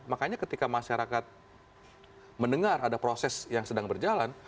makanya ketika masyarakat mendengar ada proses yang sedang berjalan